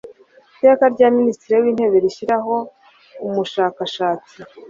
Iteka rya Minisitiri w Intebe rishyiraho Umushakashatsi